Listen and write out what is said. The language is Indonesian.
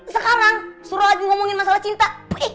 sekarang suruh lagi ngomongin masalah cinta